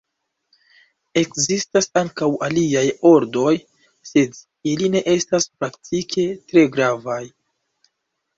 Ekzistas ankaŭ aliaj ordoj, sed ili ne estas praktike tre gravaj.